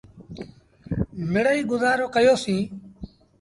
مڙيٚئيٚ گزآرو ڪيو سيٚݩ۔